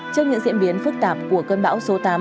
trước những diễn biến phức tạp của cơn bão số tám